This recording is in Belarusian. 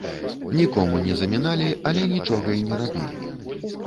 Нікому не заміналі, але нічога й не рабілі.